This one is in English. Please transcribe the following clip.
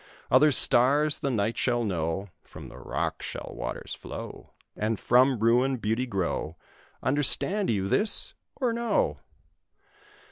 Other stars the night shall know, From the rock shall waters flow, And from ruin beauty grow. Understand you this, or no?